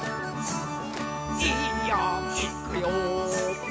「いいよいくよ！」